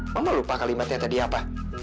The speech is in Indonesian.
mama lupa kalimatnya tadi apa